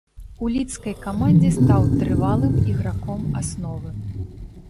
У лідскай камандзе стаў трывалым іграком асновы.